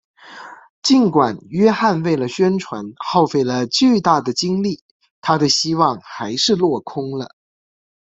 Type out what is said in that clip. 尽管约翰为了宣传耗费了巨大的精力他的希望还是落空了。